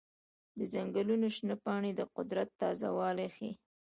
د ځنګلونو شنه پاڼې د قدرت تازه والی ښيي.